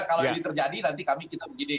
kalau ini terjadi nanti kami kita begini